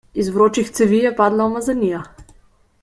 Iz vročih cevi je padla umazanija.